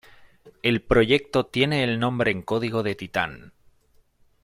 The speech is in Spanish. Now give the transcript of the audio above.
El proyecto tiene el nombre en código de "Titán".